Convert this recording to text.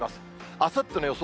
あさっての予想